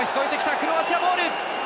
クロアチアボール。